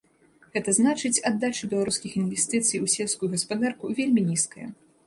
Гэта значыць, аддача беларускіх інвестыцый у сельскую гаспадарку вельмі нізкая.